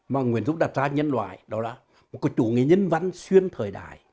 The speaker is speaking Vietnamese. mà nguyễn rút đặt ra nhân loại đó là một cái chủ nghĩa nhân văn xuyên thời đại